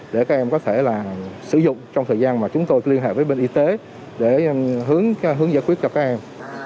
để các em có thể sử dụng trong thời gian mà chúng tôi liên hệ với bên y tế để hướng giải quyết cho các em